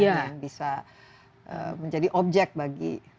ini yang bisa menjadi objek bagi